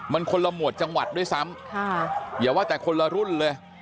มันคนละหมวดจังหวัดด้วยซ้ำอย่าว่าแต่คนละรุ่นเลย